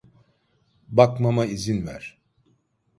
Bakmama izin ver.